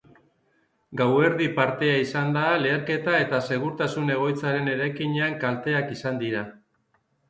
Gauerdi partea izan da leherketa eta segurtasun egoitzaren eraikinean kalteak izan dira.